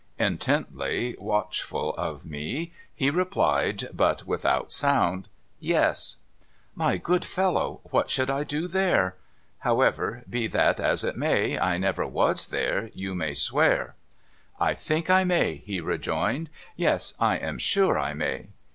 Intently watchful of me, he replied (but without sound), ' Yes.' ' My good fellow, what should I do there ? However, be that as it may, I never was there, you may swear.' ^' I think I may,' he rejoined. ' Yes ; I am sure I may.'